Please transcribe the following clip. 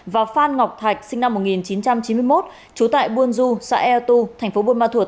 và phan ngọc thạch sinh năm một nghìn chín trăm chín mươi một chú tại buôn du xã eo tu tp buôn ma thuột